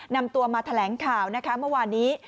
นำตัวมาแถลงข่าวนะคะเมื่อวานนี้